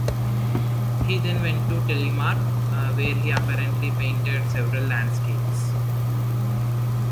He then went to Telemark where he apparently painted several landscapes.